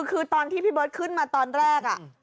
คือตอนที่พี่เบิร์ตขึ้นมาตอนแรก